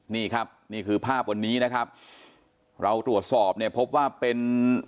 นี่ครับนี่คือภาพวันนี้นะครับเราตรวจสอบเนี่ยพบว่าเป็น